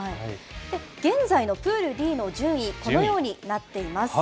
現在のプールＤの順位、このようになっています。